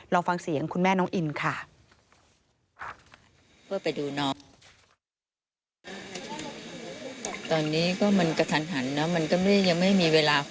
ลองฟังเสียงคุณแม่น้องอินค่ะ